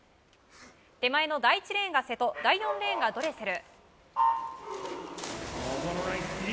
手前の第１レーンが瀬戸第４レーンがドレセル。